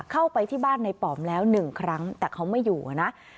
เข้าไปที่บ้านในปอมแล้วหนึ่งครั้งแต่เขาไม่อยู่นะ